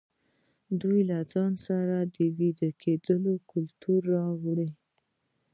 دوی له ځان سره ویدي کلتور راوړ.